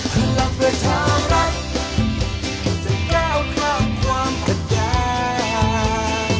พลังประชารัฐจะก้าวข้ามความขัดแย